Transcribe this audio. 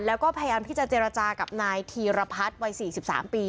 แล้วก็พยายามที่จะเจรจากับนายธีรพัฒน์วัย๔๓ปี